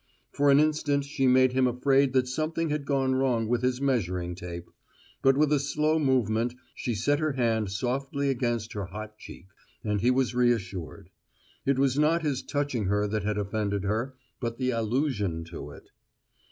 For an instant she made him afraid that something had gone wrong with his measuring tape; but with a slow movement she set her hand softly against her hot cheek; and he was reassured: it was not his touching her that had offended her, but the allusion to it.